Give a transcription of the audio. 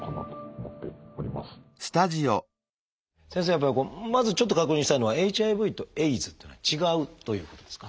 やっぱりまずちょっと確認したいのはＨＩＶとＡＩＤＳっていうのは違うということですか？